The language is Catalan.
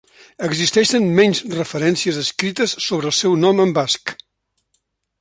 Existeixen menys referències escrites sobre el seu nom en basc.